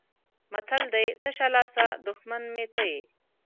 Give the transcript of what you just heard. متل دی: تشه لاسه دښمن مې ته یې.